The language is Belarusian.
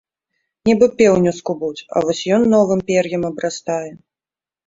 Нібы пеўня скубуць, а вось ён новым пер'ем абрастае.